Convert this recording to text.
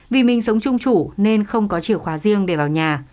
vì mình sống chung chủ nên không có chìa khóa riêng để vào nhà